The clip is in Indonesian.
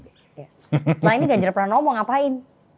setelah ini ganjar pernah ngomong ngapain